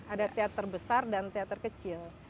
ada teater besar dan teater kecil